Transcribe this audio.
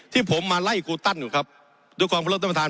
ที่ผมมาไล่ครูตั้นอยู่ครับด้วยความเคารพท่านประธาน